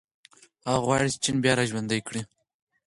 هغه غواړي چې چین بیا راژوندی کړي.